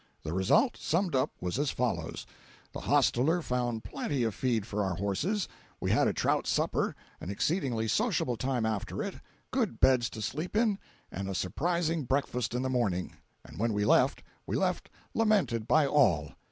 The result, summed up, was as follows: The hostler found plenty of feed for our horses; we had a trout supper, an exceedingly sociable time after it, good beds to sleep in, and a surprising breakfast in the morning—and when we left, we left lamented by all!